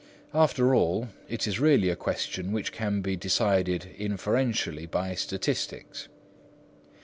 After all, it is really a question which can be decided inferentially by statistics.